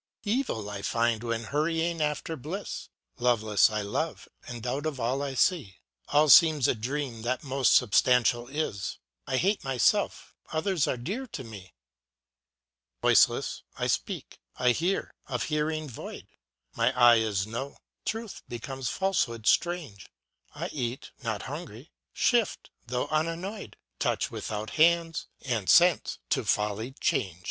Evil I find when hurrying after bliss, Loveless I love, and doubt of all I see ; All seems a dream that most substantial is, I hate myself others are dear to me ; Voiceless, I speak I hear, of hearing void : My ay is no ; truth becomes falsehood strange ; I eat, not hungry shift, though unannoyed ; Touch without hands and sense to folly change.